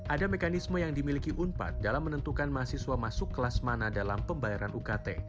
ada mekanisme yang dimiliki unpad dalam menentukan mahasiswa masuk kelas mana dalam pembayaran ukt